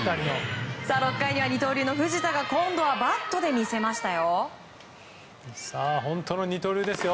６回には二刀流の藤田が今度はバットで魅せましたよ。